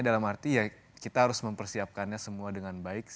dalam arti ya kita harus mempersiapkannya semua dengan baik